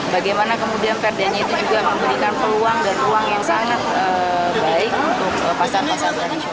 bagaimana kemudian perdanya itu juga memberikan peluang dan ruang yang sangat baik untuk pasar pasar